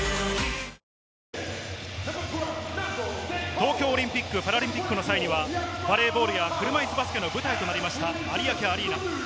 東京オリンピック・パラリンピックの際にはバレーボールや車いすバスケの舞台となった有明アリーナ。